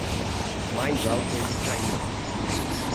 Mais alto eles caíram.